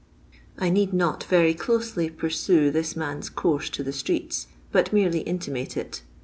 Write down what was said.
I need not very closely pursue this man's eonrse to the streets, but merely intimate it.